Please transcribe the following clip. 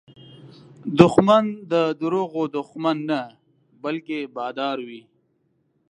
دښمن د دروغو دښمن نه، بلکې بادار وي